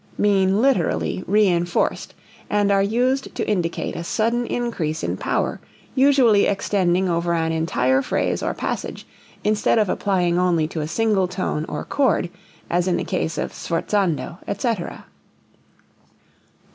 _) mean literally reinforced, and are used to indicate a sudden increase in power usually extending over an entire phrase or passage instead of applying only to a single tone or chord as in the case of sforzando, etc. 124.